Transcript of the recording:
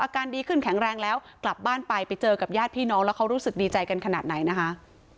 อาการดีขึ้นแข็งแรงแล้วกลับบ้านไปไปเจอกับญาติพี่น้องแล้วเขารู้สึกดีใจกันขนาดไหนนะคะ